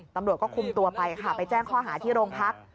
ตำรวจก็คุมตัวไปค่ะไปแจ้งข้อหาที่โรงพัก